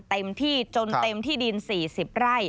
เต็มที่จนเต็มที่ดิน๔๐ไร่